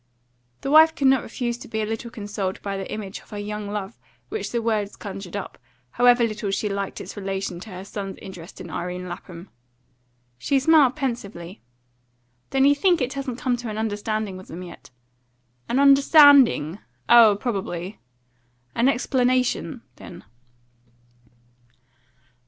The wife could not refuse to be a little consoled by the image of her young love which the words conjured up, however little she liked its relation to her son's interest in Irene Lapham. She smiled pensively. "Then you think it hasn't come to an understanding with them yet?" "An understanding? Oh, probably." "An explanation, then?"